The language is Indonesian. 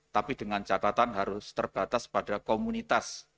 tapi dengan catatan harus terbatas pada komunitas